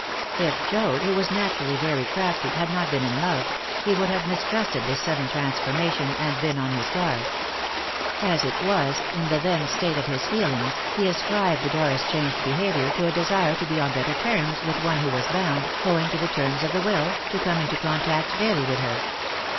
If Joad, who was naturally very crafty, had not been in love, he would have mistrusted this sudden transformation and been on his guard. As it was, in the then state of his feelings, he ascribed Dora's changed behaviour to a desire to be on better terms with one who was bound, owing to the terms of the will, to come into contact daily with her.